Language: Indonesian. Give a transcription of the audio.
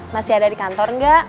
masih ada di kantor nggak